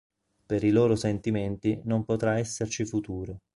Per i loro sentimenti non potrà esserci futuro.